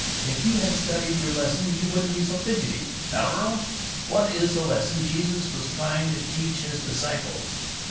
If you had studied your lesson you wouldn't be so fidgety. Now, Earl, what is the lesson Jesus was trying to teach his disciples?